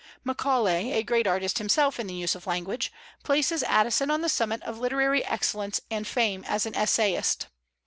Macaulay, a great artist himself in the use of language, places Addison on the summit of literary excellence and fame as an essayist.